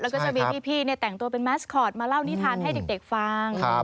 แล้วก็จะมีพี่แต่งตัวเป็นแมสคอตมาเล่านิทานให้เด็กฟัง